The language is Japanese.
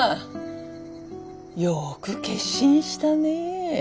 よく決心したね。